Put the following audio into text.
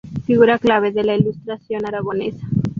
Figura clave de la ilustración aragonesa.